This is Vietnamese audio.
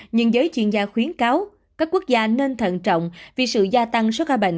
nhưng giới chuyên gia khuyến cáo các quốc gia nên thận trọng vì sự gia tăng số ca bệnh